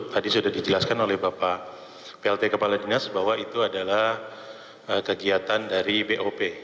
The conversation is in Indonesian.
tadi sudah dijelaskan oleh bapak plt kepala dinas bahwa itu adalah kegiatan dari bop